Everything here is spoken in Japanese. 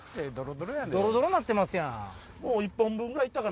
ドロドロんなってますやん。